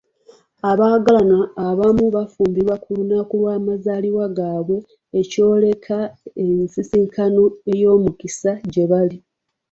Abaagalana abamu bafumbirwa ku lunaku lw'amazaalibwa gaabwe ekyeyoleka ng'ensisinkano y'omukisa gye bali.